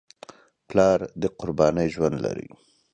پلار د قربانۍ ژوند لري.